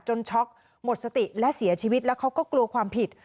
ช็อกหมดสติและเสียชีวิตแล้วเขาก็กลัวความผิด